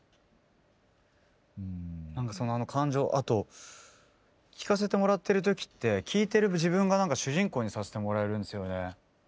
何かその感情をあと聴かせてもらってる時って聴いてる自分が主人公にさせてもらえるんですよね。